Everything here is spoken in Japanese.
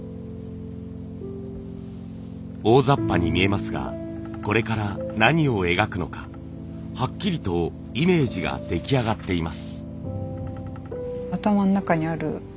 大ざっぱに見えますがこれから何を描くのかはっきりとイメージが出来上がっています。